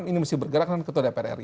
ini mesti bergerak dengan ketua dpr ri